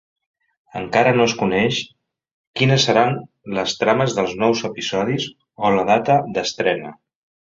Encara no es coneix quines seran les trames dels nous episodis o la data d'estrena.